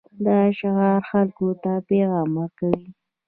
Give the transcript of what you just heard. دا شعار خلکو ته پیغام ورکوي.